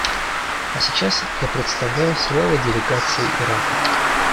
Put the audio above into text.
А сейчас я предоставляю слово делегации Ирака.